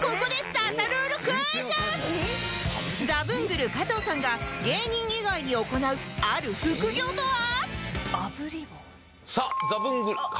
ザブングル加藤さんが芸人以外に行うある副業とは？